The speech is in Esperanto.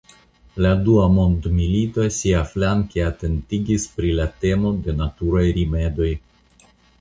La Dua Mondmilito siaflanke atentigis pri la temo de naturaj rimedoj.